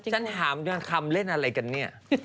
ขัมเล่นอะไรกันเนี่ย